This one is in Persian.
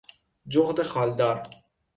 جغد خالدار